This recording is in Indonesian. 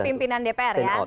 ini pimpinan dpr ya